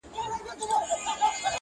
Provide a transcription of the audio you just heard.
o ستا د ژبې کيفيت او معرفت دی.